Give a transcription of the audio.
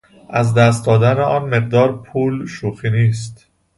از دست دادن آن مقدار پول شوخی نیست!